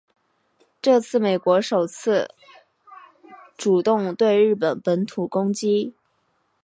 这是美国首次主动对日本本土攻击。